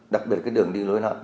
đặc biệt cái đường đi lối nặng